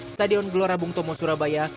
stadion gelora bung tomo surabaya